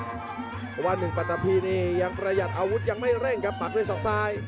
เพราะว่าหนึ่งปัตตาพีนี่ยังประหยัดอาวุธยังไม่เร่งครับปักด้วยศอกซ้าย